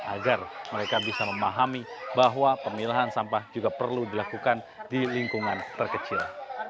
agar mereka bisa memahami bahwa pemilahan sampah juga perlu dilakukan di lingkungan terkecil